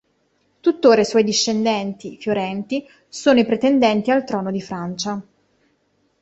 Tuttora i suoi discendenti, fiorenti, sono i pretendenti al trono di Francia.